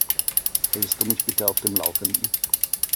Hältst du mich bitte auf dem Laufenden?